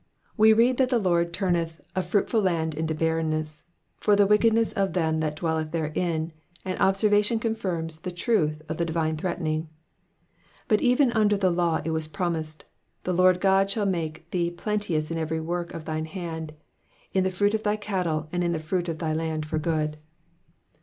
We read that the Lord turneth '* a fruitful land into barrenness,'' for the wickedness of them that dwell therein, and obser vation confirms the truth of the divine threatening ; but even under the law it was promised, *' The Lord shall make thee plenteous in every work of thine hand, in the fruit of thy cattle, and in the fruit of thy land for good."